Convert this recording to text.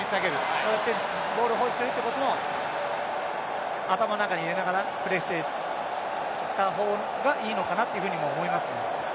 そしてボールを保持するということも頭の中に入れながらプレーした方がいいのかなというふうにも思いますね。